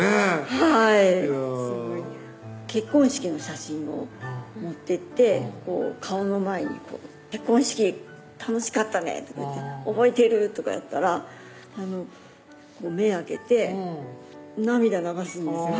はいいや結婚式の写真を持ってって顔の前に「結婚式楽しかったね覚えてる？」とかやったら目開けて涙流すんですよ